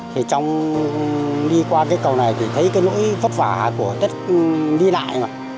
thì trong đi qua cây cầu này thì thấy cái nỗi vất vả của rất đi lại